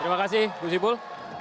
terima kasih bu sipul